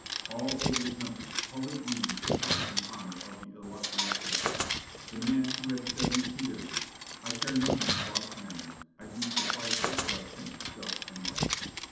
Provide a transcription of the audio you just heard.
All over the country, public meetings were held in honor of the illustrious dead; the man who had said repeatedly, "I care nothing about clamors; I do precisely what I think just and right."